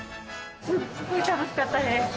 すっごい楽しかったです。